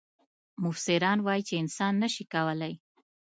مفسران وايي چې انسان نه شي کولای.